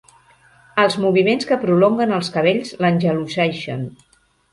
Els moviments que prolonguen els cabells l'engeloseixen.